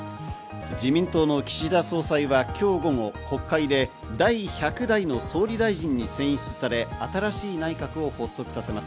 自民党の岸田総裁は今日午後、国会で第１００代の総理大臣に選出され、新しい内閣を発足させます。